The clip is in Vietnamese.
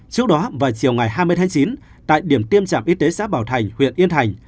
trước đó vào chiều ngày hai mươi tháng chín tại điểm tiêm trạm y tế xã bảo thành huyện yên thành